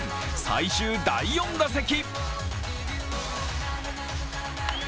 最終第４打席。